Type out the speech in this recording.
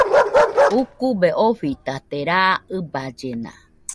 Ukube ofitate raa ɨballena